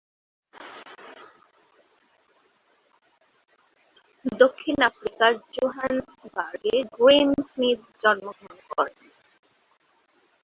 দক্ষিণ আফ্রিকার জোহেন্সবার্গে Graeme Smith জন্মগ্রহণ করেন।